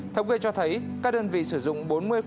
thống kê cho thấy các đơn vị sử dụng